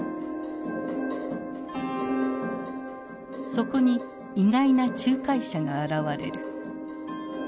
そこに意外な仲介者が現れる。